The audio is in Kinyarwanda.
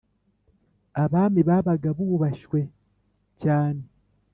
Abami babaga bubashwe cyane